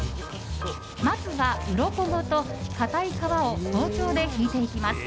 まずは、うろこごと硬い皮を包丁で引いていきます。